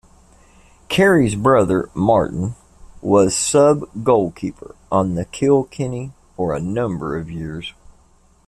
Carey's brother, Martin, was sub goalkeeper on the Kilkenny for a number of years.